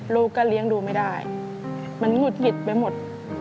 ลูกก็เลี้ยงดูไม่ได้มันหงุดหงิดไปหมด